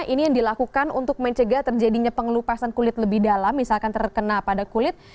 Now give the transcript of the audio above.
ini yang dilakukan untuk mencegah terjadinya pengelupasan kulit lebih dalam misalkan terkena pada kulit